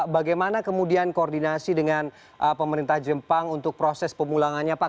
bagaimana kemudian koordinasi dengan pemerintah jepang untuk proses pemulangannya pak